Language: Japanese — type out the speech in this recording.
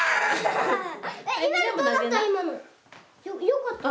よかった？